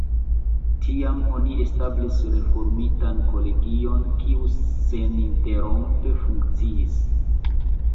Tiam oni establis reformitan kolegion, kiu seninterrompe funkciis.